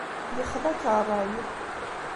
Yexḍa-k ṛṛay.